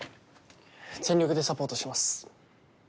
全力でサポートします。